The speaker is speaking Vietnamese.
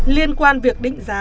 liên quan việc định giá